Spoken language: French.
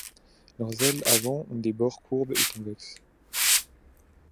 Leurs ailes avant ont des bords courbes et convexes.